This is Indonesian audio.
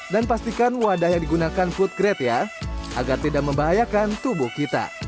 dan pastikan wadah yang digunakan food grade ya agar tidak membahayakan tubuh kita